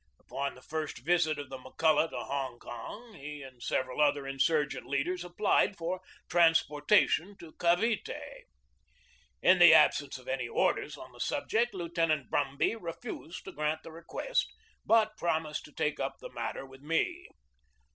Upon the first visit of the McCulloch to Hong Kong, he and several other insurgent leaders applied for transportation to Cavite. In the absence of any orders on the sub ject, Lieutenant Brumby refused to grant the re quest, but promised to take up the matter with me.